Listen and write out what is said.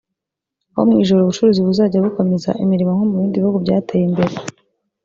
aho mu ijoro ubucuruzi buzajya bukomeza imirimo nko mu bindi bihugu byateye imbere